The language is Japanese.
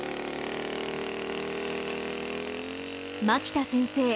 牧田先生